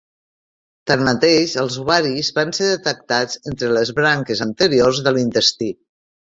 Tanmateix, els ovaris van ser detectats entre les branques anteriors de l'intestí.